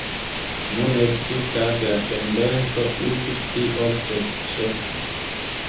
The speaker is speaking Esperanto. Nun ekzistas la tendenco uzi pli ofte "ĉe".